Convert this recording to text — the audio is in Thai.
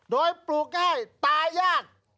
โดยปลูกง่ายตายาก